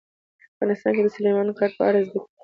افغانستان کې د سلیمان غر په اړه زده کړه کېږي.